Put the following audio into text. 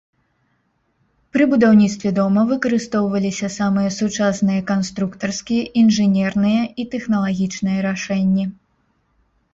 Пры будаўніцтве дома выкарыстоўваліся самыя сучасныя канструктарскія, інжынерныя і тэхналагічныя рашэнні.